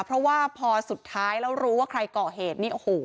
เพราะว่าพอสุดท้ายแล้วรู้ว่าใครเกาะเหตุ